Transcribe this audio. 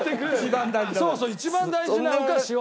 そうそう一番大事なお菓子を。